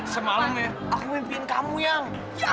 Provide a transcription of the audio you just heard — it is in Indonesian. semalam aku mimpiin kamu yang